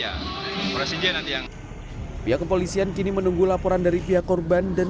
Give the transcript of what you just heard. ya presiden nanti yang pihak kepolisian kini menunggu laporan dari pihak korban dan